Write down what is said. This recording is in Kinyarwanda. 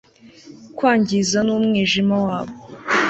Kwangiza numwijima wabo